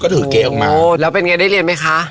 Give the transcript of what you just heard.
ก็ถือเกะออกมาอ่ะแล้วเป็นเงี้ยได้เรียนมั้ยคะ